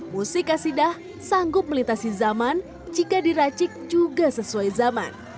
musik kasidah sanggup melitasi zaman jika diracik juga sesuai zaman